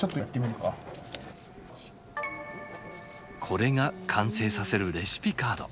これが完成させるレシピカード。